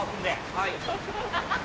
はい。